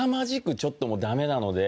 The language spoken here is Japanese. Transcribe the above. ちょっともうダメなので。